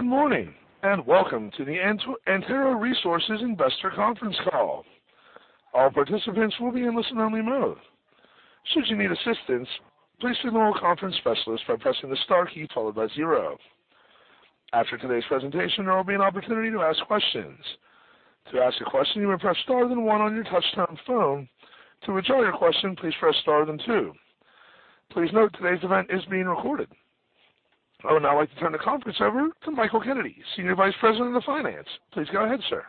Good morning. Welcome to the Antero Resources Investor Conference Call. All participants will be in listen-only mode. Should you need assistance, please signal a conference specialist by pressing the star key followed by zero. After today's presentation, there will be an opportunity to ask questions. To ask a question, you may press star then one on your touchtone phone. To withdraw your question, please press star then two. Please note today's event is being recorded. I would now like to turn the conference over to Michael Kennedy, Senior Vice President of Finance. Please go ahead, sir.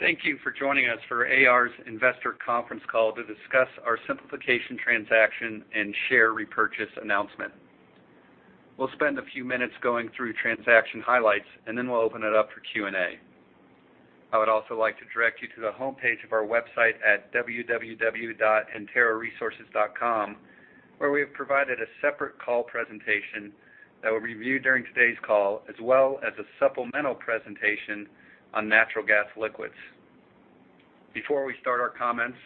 Thank you for joining us for AR's Investor Conference Call to discuss our simplification transaction and share repurchase announcement. We'll spend a few minutes going through transaction highlights, and then we'll open it up for Q&A. I would also like to direct you to the homepage of our website at www.anteroresources.com, where we have provided a separate call presentation that we'll review during today's call, as well as a supplemental presentation on natural gas liquids. Before we start our comments,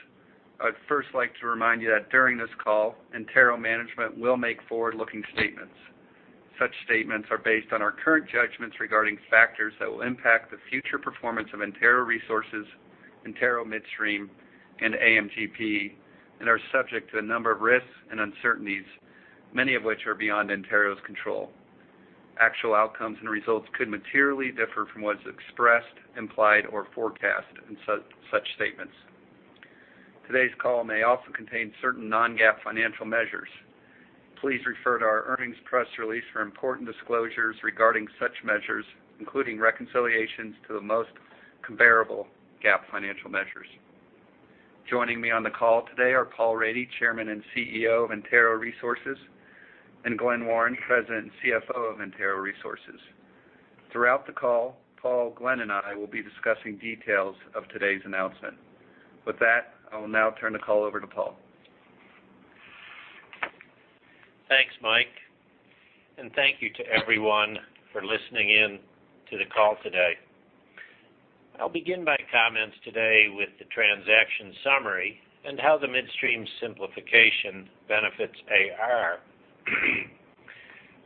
I'd first like to remind you that during this call, Antero management will make forward-looking statements. Such statements are based on our current judgments regarding factors that will impact the future performance of Antero Resources, Antero Midstream, and AMGP, and are subject to a number of risks and uncertainties, many of which are beyond Antero's control. Actual outcomes and results could materially differ from what is expressed, implied, or forecasted in such statements. Today's call may also contain certain non-GAAP financial measures. Please refer to our earnings press release for important disclosures regarding such measures, including reconciliations to the most comparable GAAP financial measures. Joining me on the call today are Paul Rady, Chairman and CEO of Antero Resources, and Glen Warren, President and CFO of Antero Resources. Throughout the call, Paul, Glen, and I will be discussing details of today's announcement. With that, I will now turn the call over to Paul. Thanks, Mike, and thank you to everyone for listening in to the call today. I'll begin my comments today with the transaction summary and how the midstream simplification benefits AR.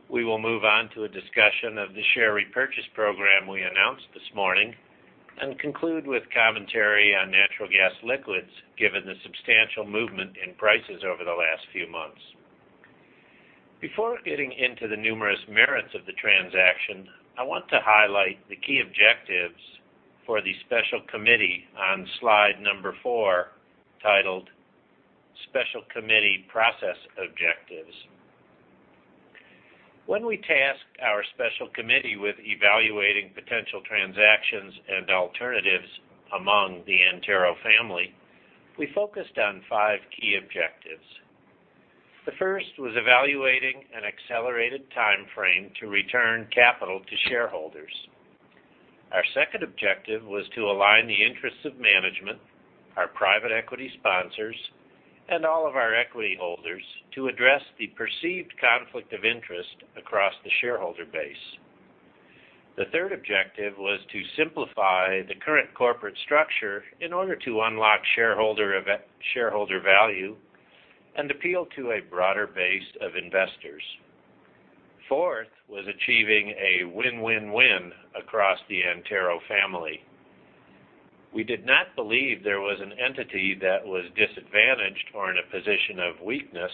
We will move on to a discussion of the share repurchase program we announced this morning and conclude with commentary on natural gas liquids, given the substantial movement in prices over the last few months. Before getting into the numerous merits of the transaction, I want to highlight the key objectives for the special committee on slide number four, titled "Special Committee Process Objectives." When we tasked our special committee with evaluating potential transactions and alternatives among the Antero family, we focused on five key objectives. The first was evaluating an accelerated timeframe to return capital to shareholders. Our second objective was to align the interests of management, our private equity sponsors, and all of our equity holders to address the perceived conflict of interest across the shareholder base. The third objective was to simplify the current corporate structure in order to unlock shareholder value and appeal to a broader base of investors. Fourth was achieving a win-win-win across the Antero family. We did not believe there was an entity that was disadvantaged or in a position of weakness.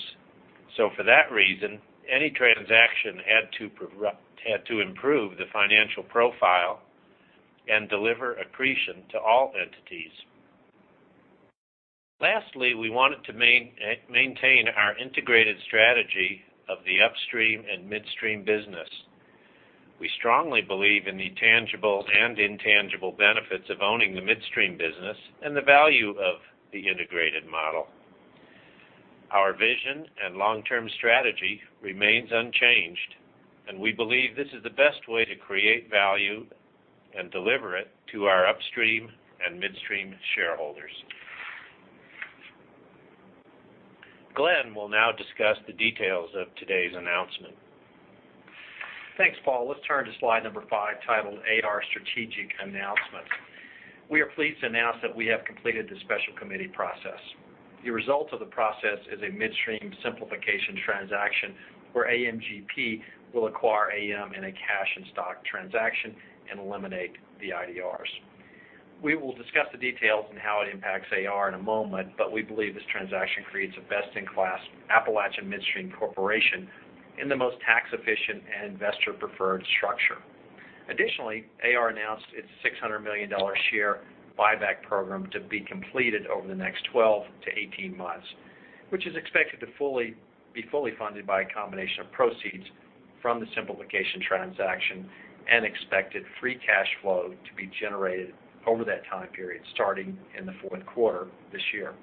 For that reason, any transaction had to improve the financial profile and deliver accretion to all entities. Lastly, we wanted to maintain our integrated strategy of the upstream and midstream business. We strongly believe in the tangible and intangible benefits of owning the midstream business and the value of the integrated model. Our vision and long-term strategy remains unchanged. We believe this is the best way to create value and deliver it to our upstream and midstream shareholders. Glen will now discuss the details of today's announcement. Thanks, Paul. Let's turn to slide number five, titled "AR Strategic Announcement." We are pleased to announce that we have completed the special committee process. The result of the process is a midstream simplification transaction where AMGP will acquire AM in a cash and stock transaction and eliminate the IDRs. We will discuss the details on how it impacts AR in a moment. We believe this transaction creates a best-in-class Appalachian midstream corporation in the most tax-efficient and investor-preferred structure. Additionally, AR announced its $600 million share buyback program to be completed over the next 12 to 18 months, which is expected to be fully funded by a combination of proceeds from the simplification transaction and expected free cash flow to be generated over that time period, starting in the fourth quarter this year.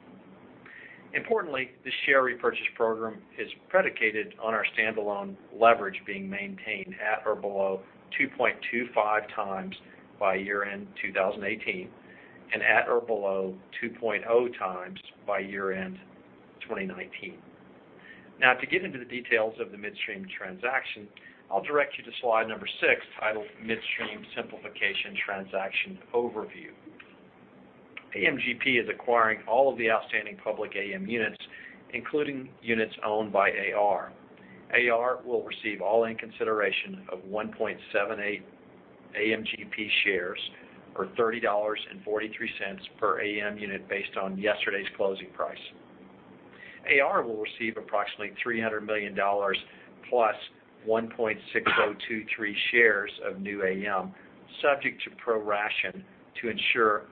Importantly, the share repurchase program is predicated on our standalone leverage being maintained at or below 2.25 times by year-end 2018 and at or below 2.0 times by year-end 2019. To get into the details of the midstream transaction, I'll direct you to slide number six, titled "Midstream Simplification Transaction Overview." AMGP is acquiring all of the outstanding public AM units, including units owned by AR. AR will receive all in consideration of 1.78 AMGP shares for $30.43 per AM unit based on yesterday's closing price. AR will receive approximately $300 million plus 1.6023 shares of new AM, subject to proration to ensure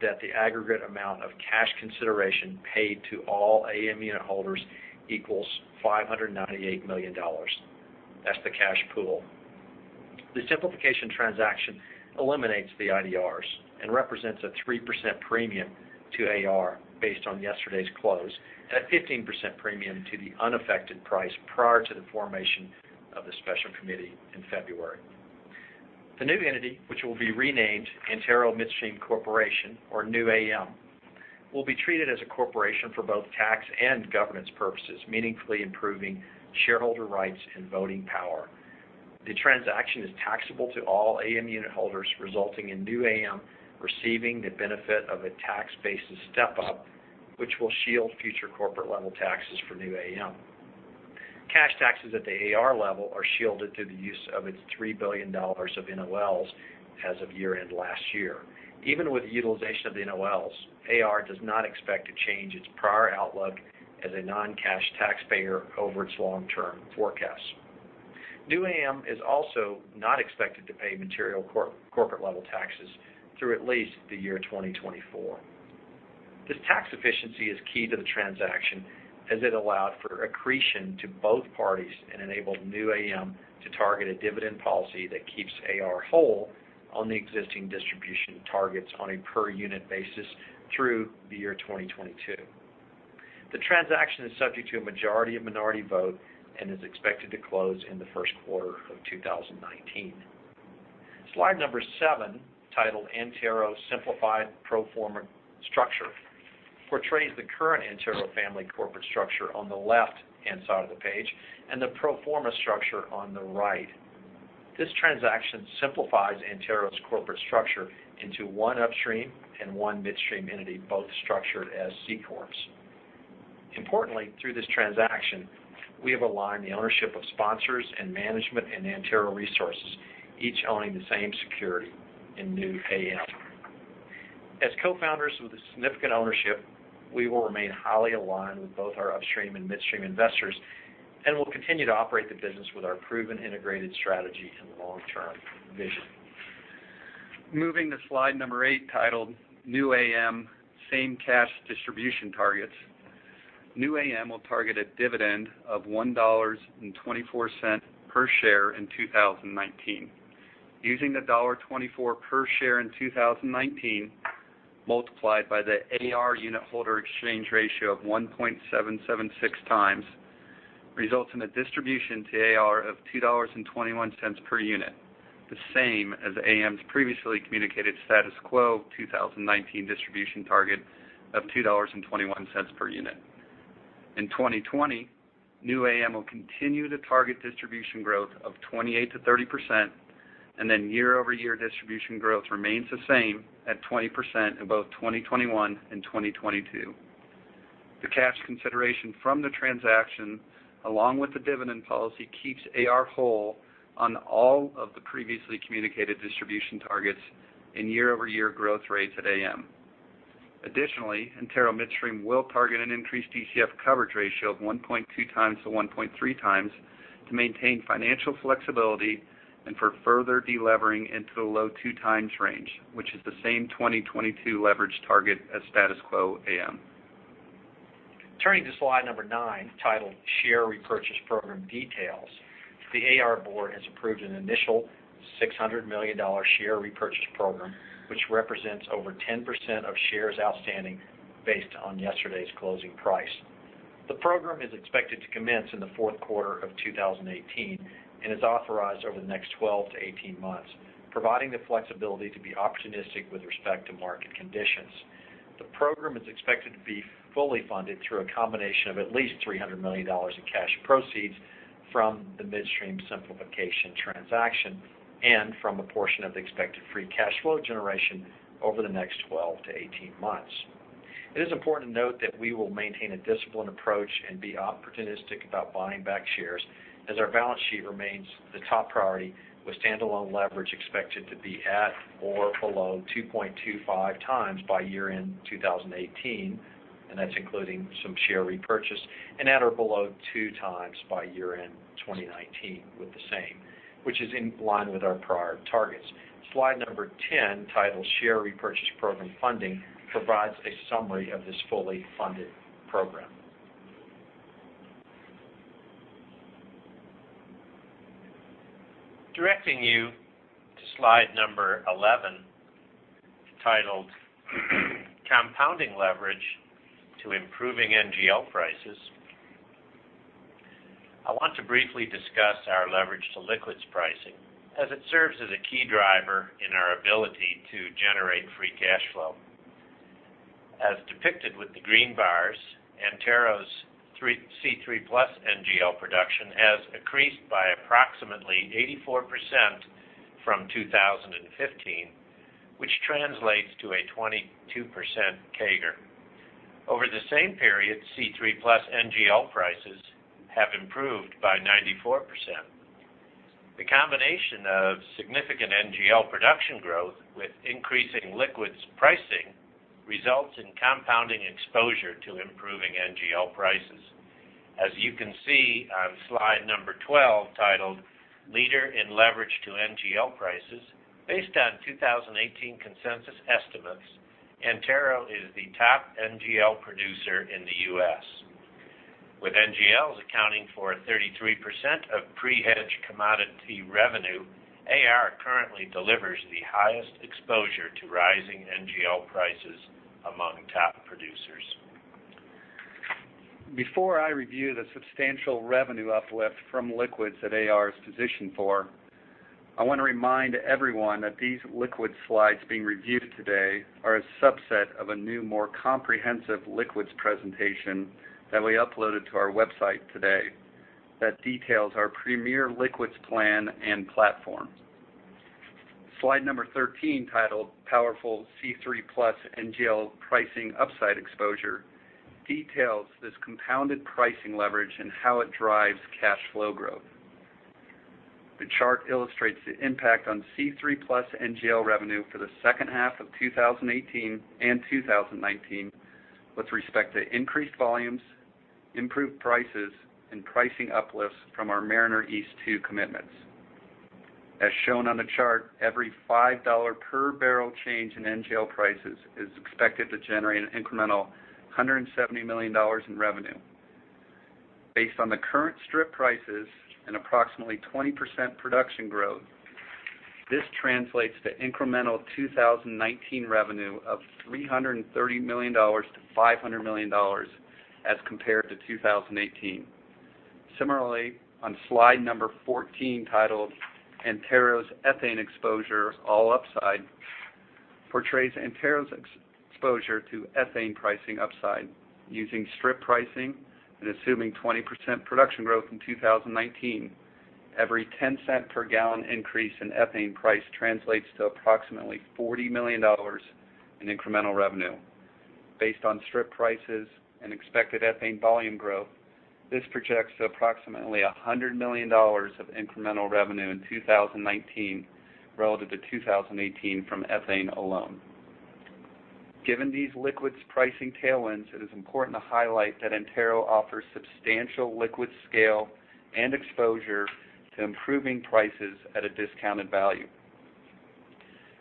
that the aggregate amount of cash consideration paid to all AM unit holders equals $598 million. That's the cash pool. The simplification transaction eliminates the IDRs and represents a 3% premium to AR based on yesterday's close, and a 15% premium to the unaffected price prior to the formation of the special committee in February. The new entity, which will be renamed Antero Midstream Corporation, or New AM, will be treated as a corporation for both tax and governance purposes, meaningfully improving shareholder rights and voting power. The transaction is taxable to all AM unit holders, resulting in New AM receiving the benefit of a tax basis step-up, which will shield future corporate level taxes for New AM. Cash taxes at the AR level are shielded through the use of its $3 billion of NOLs as of year-end last year. Even with the utilization of the NOLs, AR does not expect to change its prior outlook as a non-cash taxpayer over its long-term forecast. New AM is also not expected to pay material corporate-level taxes through at least the year 2024. This tax efficiency is key to the transaction, as it allowed for accretion to both parties and enabled New AM to target a dividend policy that keeps AR whole on the existing distribution targets on a per unit basis through the year 2022. The transaction is subject to a majority of minority vote and is expected to close in the first quarter of 2019. Slide number seven, titled Antero Simplified Pro Forma Structure, portrays the current Antero family corporate structure on the left-hand side of the page and the pro forma structure on the right. This transaction simplifies Antero's corporate structure into one upstream and one midstream entity, both structured as C-corps. Importantly, through this transaction, we have aligned the ownership of sponsors and management and Antero Resources, each owning the same security in New AM. As co-founders with a significant ownership, we will remain highly aligned with both our upstream and midstream investors and will continue to operate the business with our proven integrated strategy and long-term vision. Moving to slide number eight, titled New AM Same Cash Distribution Targets. New AM will target a dividend of $1.24 per share in 2019. Using the $1.24 per share in 2019, multiplied by the AR unit holder exchange ratio of 1.776 times, results in a distribution to AR of $2.21 per unit, the same as AM's previously communicated status quo 2019 distribution target of $2.21 per unit. In 2020, New AM will continue to target distribution growth of 28%-30%, year-over-year distribution growth remains the same at 20% in both 2021 and 2022. The cash consideration from the transaction, along with the dividend policy, keeps AR whole on all of the previously communicated distribution targets and year-over-year growth rates at AM. Additionally, Antero Midstream will target an increased DCF coverage ratio of 1.2 times to 1.3 times to maintain financial flexibility and for further delevering into the low 2 times range, which is the same 2022 leverage target as status quo AM. Turning to slide number nine, titled Share Repurchase Program Details. The AR board has approved an initial $600 million share repurchase program, which represents over 10% of shares outstanding based on yesterday's closing price. The program is expected to commence in the fourth quarter of 2018 and is authorized over the next 12 to 18 months, providing the flexibility to be opportunistic with respect to market conditions. The program is expected to be fully funded through a combination of at least $300 million in cash proceeds from the midstream simplification transaction and from a portion of the expected free cash flow generation over the next 12 to 18 months. It is important to note that we will maintain a disciplined approach and be opportunistic about buying back shares as our balance sheet remains the top priority, with standalone leverage expected to be at or below 2.25 times by year-end 2018, and that's including some share repurchase, and at or below 2 times by year-end 2019 with the same, which is in line with our prior targets. Slide number 10, titled Share Repurchase Program Funding, provides a summary of this fully funded program. Directing you to slide number 11, titled Compounding Leverage to Improving NGL Prices. I want to briefly discuss our leverage to liquids pricing as it serves as a key driver in our ability to generate free cash flow. As depicted with the green bars, Antero's C3+ NGL production has increased by approximately 84% from 2015, which translates to a 22% CAGR. Over the same period, C3+ NGL prices have improved by 94%. The combination of significant NGL production growth with increasing liquids pricing results in compounding exposure to improving NGL prices. As you can see on slide number 12, titled "Leader in Leverage to NGL Prices," based on 2018 consensus estimates, Antero is the top NGL producer in the U.S. With NGLs accounting for 33% of pre-hedged commodity revenue, AR currently delivers the highest exposure to rising NGL prices among top producers. Before I review the substantial revenue uplift from liquids that AR is positioned for, I want to remind everyone that these liquid slides being reviewed today are a subset of a new, more comprehensive liquids presentation that we uploaded to our website today that details our premier liquids plan and platform. Slide number 13, titled "Powerful C3+ NGL Pricing Upside Exposure," details this compounded pricing leverage and how it drives cash flow growth. The chart illustrates the impact on C3+ NGL revenue for the second half of 2018 and 2019 with respect to increased volumes, improved prices, and pricing uplifts from our Mariner East 2 commitments. As shown on the chart, every $5 per barrel change in NGL prices is expected to generate an incremental $170 million in revenue. Based on the current strip prices and approximately 20% production growth, this translates to incremental 2019 revenue of $330 million to $500 million as compared to 2018. Similarly, on slide number 14, titled "Antero's Ethane Exposure All Upside," portrays Antero's exposure to ethane pricing upside. Using strip pricing and assuming 20% production growth in 2019, every $0.10 per gallon increase in ethane price translates to approximately $40 million in incremental revenue. Based on strip prices and expected ethane volume growth, this projects to approximately $100 million of incremental revenue in 2019 relative to 2018 from ethane alone. Given these liquids pricing tailwinds, it is important to highlight that Antero offers substantial liquid scale and exposure to improving prices at a discounted value.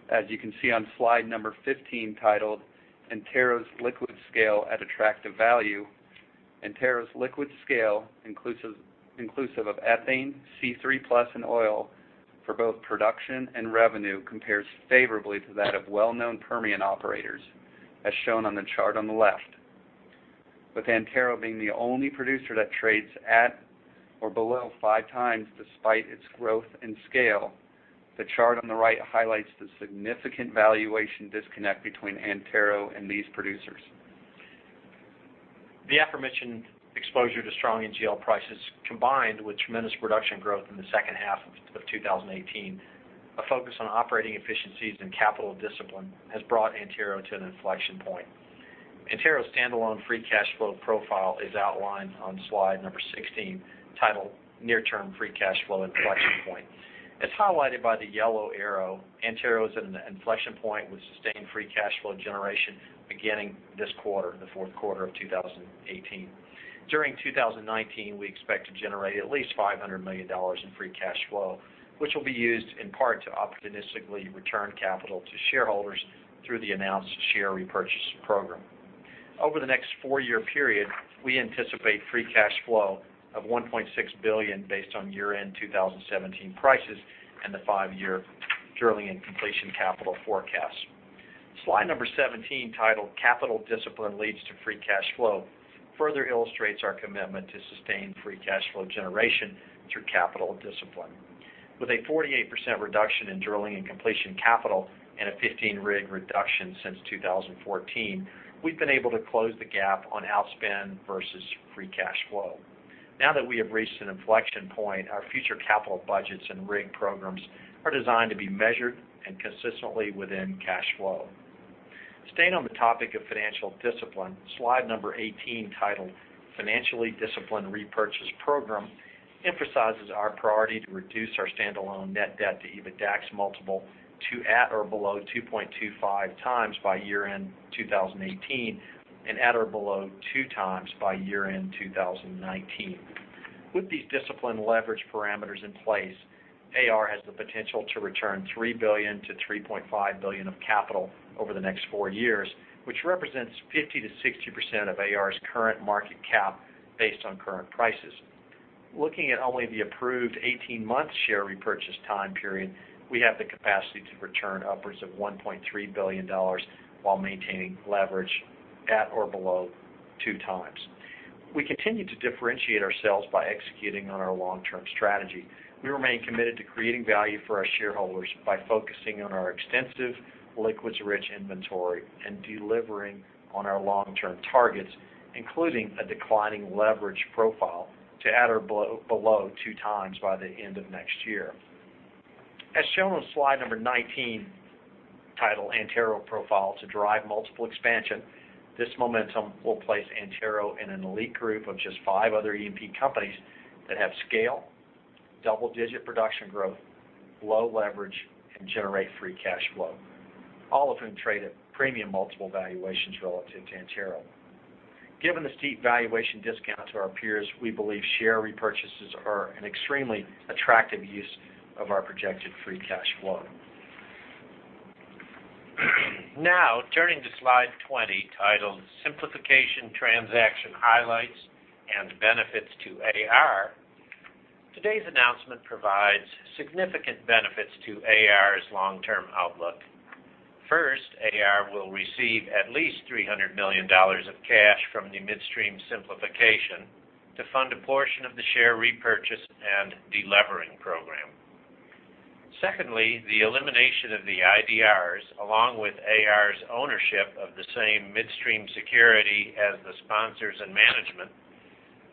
As you can see on slide number 15, titled "Antero's Liquid Scale at Attractive Value," Antero's liquid scale, inclusive of ethane, C3+ and oil for both production and revenue, compares favorably to that of well-known Permian operators, as shown on the chart on the left. With Antero being the only producer that trades at or below five times despite its growth and scale, the chart on the right highlights the significant valuation disconnect between Antero and these producers. The aforementioned exposure to strong NGL prices, combined with tremendous production growth in the second half of 2018, a focus on operating efficiencies and capital discipline has brought Antero to an inflection point. Antero's standalone free cash flow profile is outlined on slide number 16, titled "Near Term Free Cash Flow Inflection Point." As highlighted by the yellow arrow, Antero is at an inflection point with sustained free cash flow generation beginning this quarter, the fourth quarter of 2018. During 2019, we expect to generate at least $500 million in free cash flow, which will be used in part to opportunistically return capital to shareholders through the announced share repurchase program. Over the next four-year period, we anticipate free cash flow of $1.6 billion based on year-end 2017 prices and the five-year drilling and completion capital forecast. Slide number 17, titled "Capital Discipline Leads to Free Cash Flow," further illustrates our commitment to sustained free cash flow generation through capital discipline. With a 48% reduction in drilling and completion capital and a 15 rig reduction since 2014, we have been able to close the gap on outspend versus free cash flow. Now that we have reached an inflection point, our future capital budgets and rig programs are designed to be measured and consistently within cash flow. Staying on the topic of financial discipline, slide number 18, titled "Financially Disciplined Repurchase Program," emphasizes our priority to reduce our standalone net debt to EBITDAX multiple to at or below 2.25 times by year-end 2018 and at or below two times by year-end 2019. With these disciplined leverage parameters in place, AR has the potential to return $3 billion to $3.5 billion of capital over the next four years, which represents 50%-60% of AR's current market cap based on current prices. Looking at only the approved 18-month share repurchase time period, we have the capacity to return upwards of $1.3 billion while maintaining leverage at or below two times. We continue to differentiate ourselves by executing on our long-term strategy. We remain committed to creating value for our shareholders by focusing on our extensive liquids-rich inventory and delivering on our long-term targets, including a declining leverage profile to at or below two times by the end of next year. As shown on slide number 19, titled "Antero Profile to Drive Multiple Expansion," this momentum will place Antero in an elite group of just five other E&P companies that have scale, double-digit production growth, low leverage, and generate free cash flow, all of whom trade at premium multiple valuations relative to Antero. Given the steep valuation discount to our peers, we believe share repurchases are an extremely attractive use of our projected free cash flow. Turning to slide 20, titled Simplification Transaction Highlights and Benefits to AR, today's announcement provides significant benefits to AR's long-term outlook. First, AR will receive at least $300 million of cash from the midstream simplification to fund a portion of the share repurchase and de-levering program. Secondly, the elimination of the IDRs, along with AR's ownership of the same midstream security as the sponsors and management,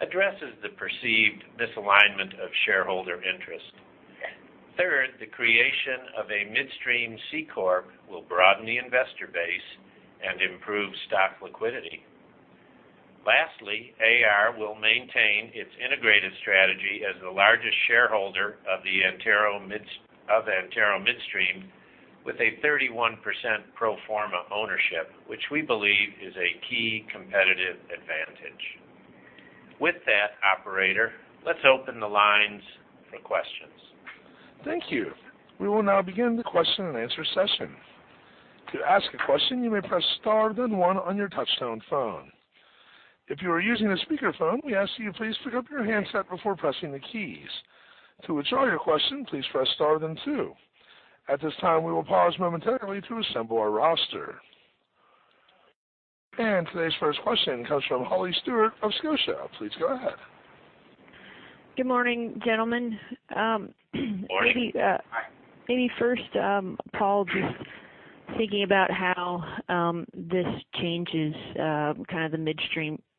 addresses the perceived misalignment of shareholder interest. Third, the creation of a midstream C-corp will broaden the investor base and improve stock liquidity. Lastly, AR will maintain its integrated strategy as the largest shareholder of Antero Midstream with a 31% pro forma ownership, which we believe is a key competitive advantage. With that, operator, let's open the lines for questions. Thank you. We will now begin the question and answer session. To ask a question, you may press star then one on your touchtone phone. If you are using a speakerphone, we ask that you please pick up your handset before pressing the keys. To withdraw your question, please press star then two. At this time, we will pause momentarily to assemble our roster. Today's first question comes from Holly Stewart of Scotiabank. Please go ahead. Good morning, gentlemen. Morning. Maybe first, Paul, just thinking about how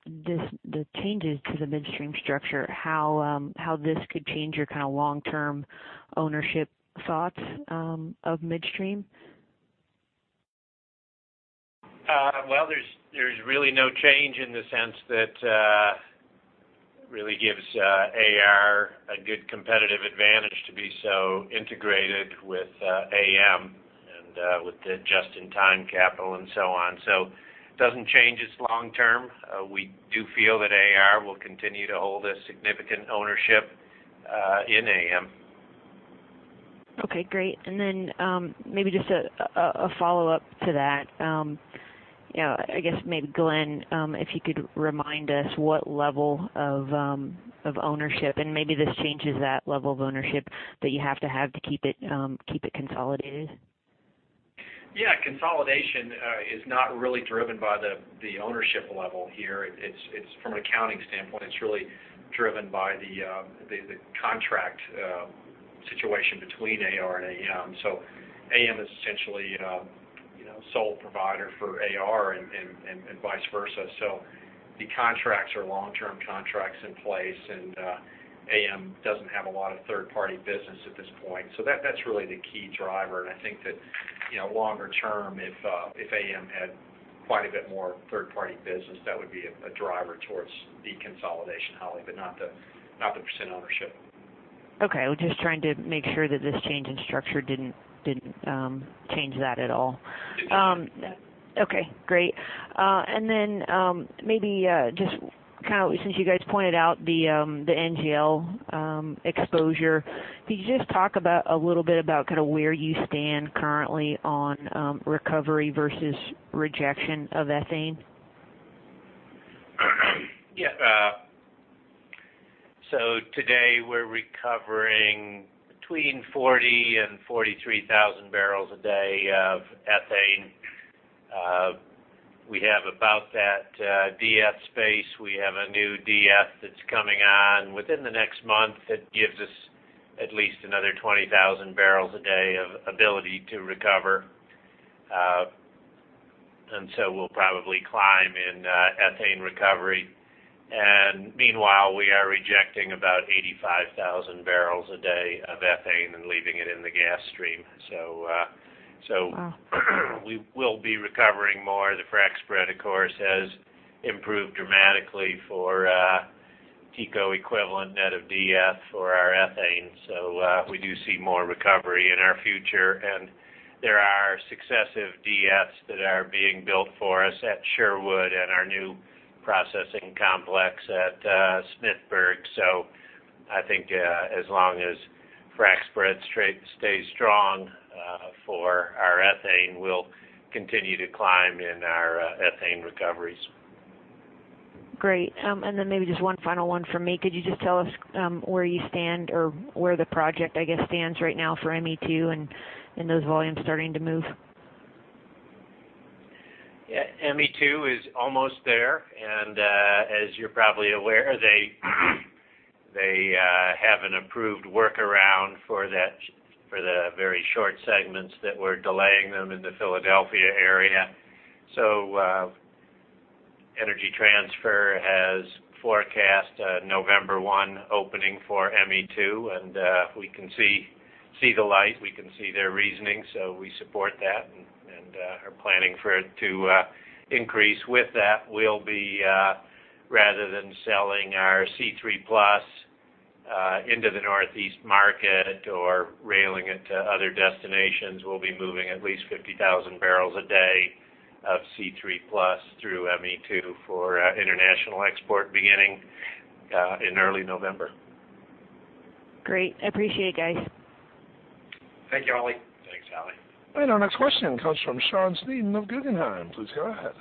the changes to the midstream structure, how this could change your long-term ownership thoughts of midstream. Well, there's really no change in the sense that really gives AR a good competitive advantage to be so integrated with AM and with the just-in-time capital and so on. It doesn't change its long term. We do feel that AR will continue to hold a significant ownership in AM. Okay, great. Maybe just a follow-up to that. I guess maybe Glen, if you could remind us what level of ownership, and maybe this changes that level of ownership that you have to have to keep it consolidated. Yeah. Consolidation is not really driven by the ownership level here. From an accounting standpoint, it's really driven by the contract situation between AR and AM. AM is essentially a sole provider for AR and vice versa. The contracts are long-term contracts in place, and AM doesn't have a lot of third-party business at this point. That's really the key driver. I think that longer term, if AM had quite a bit more third-party business, that would be a driver towards the consolidation, Holly, but not the % ownership. Okay. I was just trying to make sure that this change in structure didn't change that at all. It didn't. Okay, great. Maybe just since you guys pointed out the NGL exposure, could you just talk a little bit about where you stand currently on recovery versus rejection of ethane? Yeah. Today we're recovering between 40,000 and 43,000 barrels a day of ethane. We have about that De-ethanizer space. We have a new De-ethanizer that's coming on within the next month that gives us at least another 20,000 barrels a day of ability to recover. We'll probably climb in ethane recovery. Meanwhile, we are rejecting about 85,000 barrels a day of ethane and leaving it in the gas stream. We will be recovering more. The frac spread, of course, has improved dramatically for TCO equivalent net of De-ethanizer for our ethane. We do see more recovery in our future. There are successive De-ethanizers that are being built for us at Sherwood and our new processing complex at Smithburg. I think as long as frac spreads stays strong for our ethane, we'll continue to climb in our ethane recoveries. Great. Maybe just one final one from me. Could you just tell us where you stand or where the project, I guess, stands right now for ME2 and those volumes starting to move? Yeah. ME2 is almost there. As you're probably aware, they have an approved workaround for the very short segments that were delaying them in the Philadelphia area. Energy Transfer has forecast a November 1 opening for ME2. We can see the light, we can see their reasoning. We support that and are planning for it to increase. With that, rather than selling our C3+ into the Northeast market or railing it to other destinations, we'll be moving at least 50,000 barrels a day of C3+ through ME2 for international export beginning in early November. Great. I appreciate it, guys. Thank you, Holly. Thanks, Holly. Our next question comes from Sean Sneeden of Guggenheim. Please go ahead.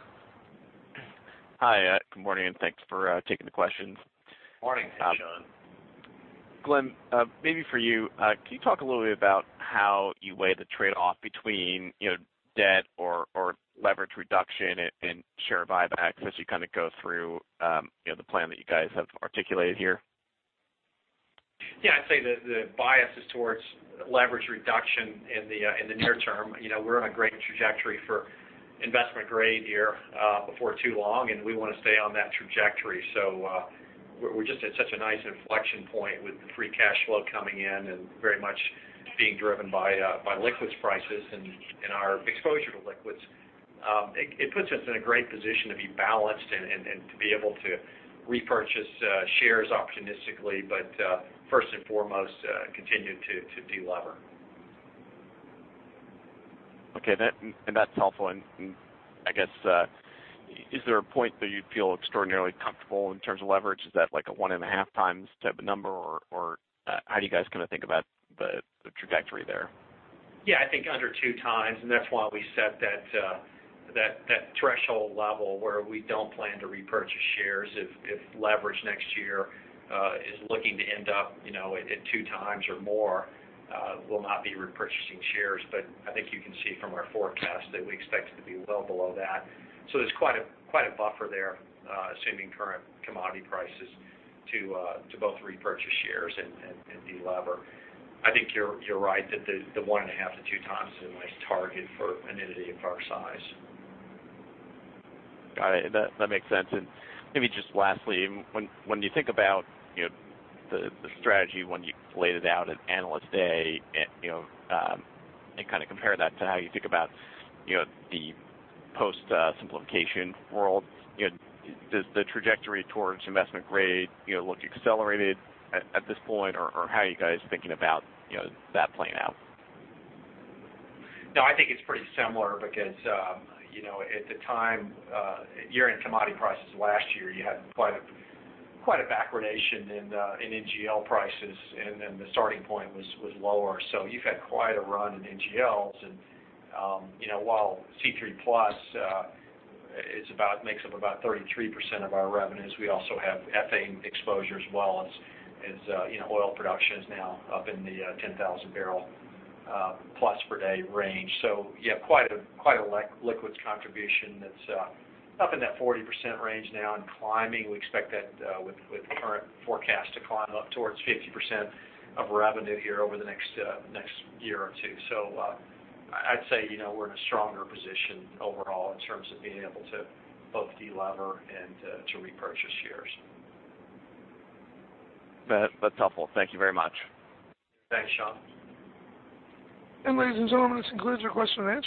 Hi. Good morning, and thanks for taking the questions. Morning, Sean. Glenn, maybe for you. Can you talk a little bit about how you weigh the trade-off between debt or leverage reduction in share buybacks as you go through the plan that you guys have articulated here? Yeah. I'd say the bias is towards leverage reduction in the near term. We're on a great trajectory for investment grade here before too long, and we want to stay on that trajectory. We're just at such a nice inflection point with the free cash flow coming in and very much being driven by liquids prices and our exposure to liquids. It puts us in a great position to be balanced and to be able to repurchase shares opportunistically, but first and foremost, continue to delever. Okay. That's helpful. I guess, is there a point that you'd feel extraordinarily comfortable in terms of leverage? Is that like a one and a half times type of number, or how do you guys think about the trajectory there? Yeah. I think under two times, and that's why we set that threshold level where we don't plan to repurchase shares if leverage next year is looking to end up at two times or more, we'll not be repurchasing shares. I think you can see from our forecast that we expect it to be well below that. There's quite a buffer there, assuming current commodity prices to both repurchase shares and delever. I think you're right that the one and a half to two times is a nice target for an entity of our size. Got it. That makes sense. Maybe just lastly, when you think about the strategy when you laid it out at Analyst Day, compare that to how you think about the post-simplification world. Does the trajectory towards investment grade look accelerated at this point, or how are you guys thinking about that playing out? No, I think it's pretty similar because, at the time, year-end commodity prices last year, you had quite a backwardation in NGL prices. The starting point was lower. You've had quite a run in NGLs. While C3+ makes up about 33% of our revenues, we also have ethane exposure as well as oil production is now up in the 10,000 barrel plus per day range. Quite a liquids contribution that's up in that 40% range now and climbing. We expect that with the current forecast to climb up towards 50% of revenue here over the next year or two. I'd say we're in a stronger position overall in terms of being able to both delever and to repurchase shares. That's helpful. Thank you very much. Thanks, Sean. Ladies and gentlemen, this concludes our question and answer session.